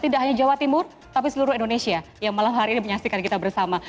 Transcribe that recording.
tidak hanya jawa timur tapi seluruh indonesia yang malam hari ini menyaksikan kita bersama